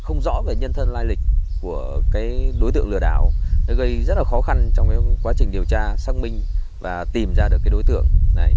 không rõ về nhân thân lai lịch của đối tượng lừa đảo gây rất khó khăn trong quá trình điều tra xác minh và tìm ra đối tượng